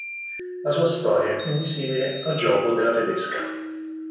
La sua storia è quindi simile al gioco della tedesca.